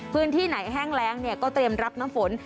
พื้นที่ไหนแห้งแรงก็เตรียมรับน้ำฝน